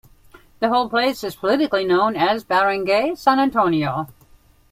The whole place is politically known as Barangay San Antonio.